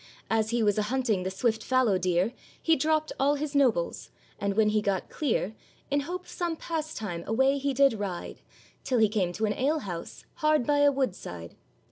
As he was a hunting the swift fallow deer, He dropped all his nobles; and when he got clear, In hope of some pastime away he did ride, Till he came to an alehouse, hard by a wood side.